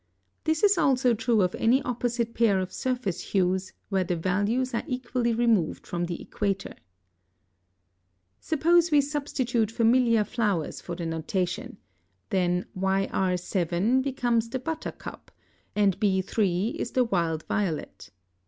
This is also true of any opposite pair of surface hues where the values are equally removed from the equator. [Illustration: Fig. 11.] (73) Suppose we substitute familiar flowers for the notation, then YR7 becomes the buttercup, and B3 is the wild violet.